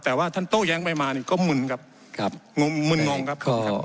แต่ว่าท่านต้อย้างของไอ้ผมไปมาก็มึนหวงครับ